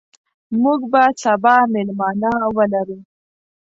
موږ به سبا مېلمانه ولرو.